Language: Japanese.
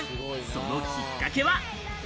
そのきっかけは。